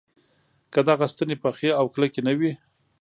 که دغه ستنې پخې او کلکې نه وي.